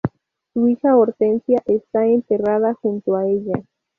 Su hija Hortensia está enterrada junto a ella.